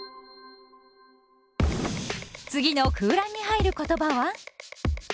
次の空欄に入る言葉は？